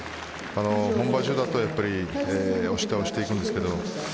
本場所だと押し倒していくんですけど